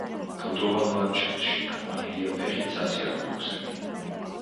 კლდოვან ლანდშაფტში გაყვანილია ფეხით სასიარულო გზები.